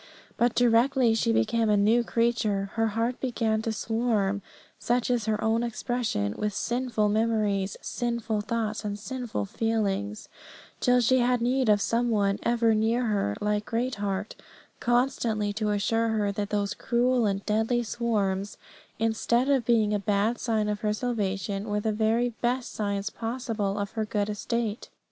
But directly she became a new creature, her heart began to swarm, such is her own expression, with sinful memories, sinful thoughts, and sinful feelings; till she had need of some one ever near her, like Greatheart, constantly to assure her that those cruel and deadly swarms, instead of being a bad sign of her salvation, were the very best signs possible of her good estate.